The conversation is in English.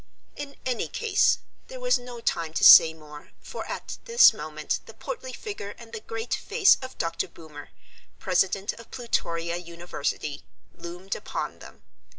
In any case there was no time to say more, for at this moment the portly figure and the great face of Dr. Boomer, president of Plutoria University, loomed upon them.